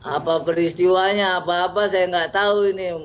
apa peristiwanya apa apa saya nggak tahu ini